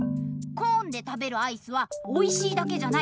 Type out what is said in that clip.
コーンで食べるアイスはおいしいだけじゃない。